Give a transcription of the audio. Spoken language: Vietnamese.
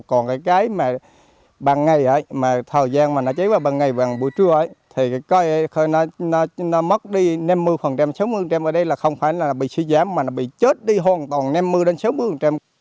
còn cái cây mà bằng ngày thời gian mà nó cháy vào bằng ngày bằng buổi trưa thì cây nó mất đi năm mươi sáu mươi ở đây là không phải là bị suy giảm mà nó bị chết đi hoàn toàn năm mươi đến sáu mươi